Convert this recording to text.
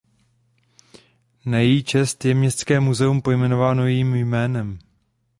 Na její počet je městské muzeum pojmenováno jejím jménem.